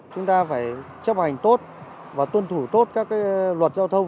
chúng ta phải chấp hành tốt và tuân thủ tốt các luật giao thông